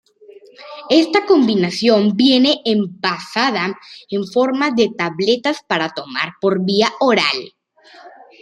Esta combinación viene envasada en forma de tabletas para tomar por vía oral.